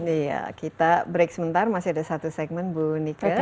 iya kita break sebentar masih ada satu segmen bu nika